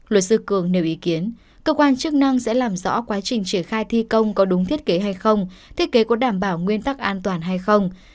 luật sư cường nêu ý kiến cơ quan chức năng sẽ làm rõ quá trình triển khai thi công có đúng thiết kế hay không thiết kế có đảm bảo nguyên tắc an toàn hay không